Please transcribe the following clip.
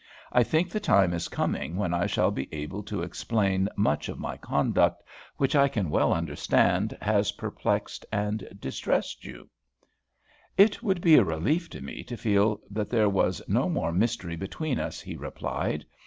I think the time is coming when I shall be able to explain much of my conduct which I can well understand has perplexed and distressed you." "It would be a relief to me to feel that there was no more mystery between us," he replied.